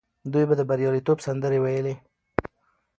دوی به د بریالیتوب سندرې ویلې.